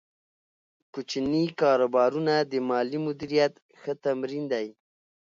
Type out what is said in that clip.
کوچني کاروبارونه د مالي مدیریت ښه تمرین دی۔